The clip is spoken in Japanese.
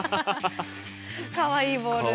かわいいボール。